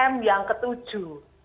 m yang ketujuh